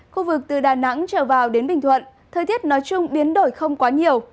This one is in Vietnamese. khu vực từ đà nẵng trở vào đến bình thuận thời tiết nói chung biến đổi không quá nhiều